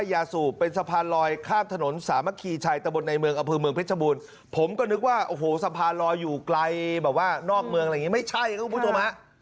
แบบว่านอกเมืองอะไรอย่างนี้ไม่ใช่ครับคุณผู้ชมฮะ